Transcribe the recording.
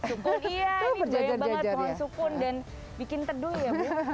sukun iya banyak banget pohon sukun dan bikin teduh ya bu